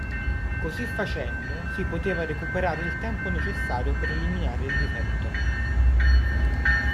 Così facendo si poteva recuperare il tempo necessario per eliminare il difetto.